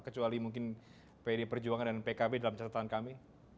kecuali mungkin pd perjuangan dan pkb dalam catatan kami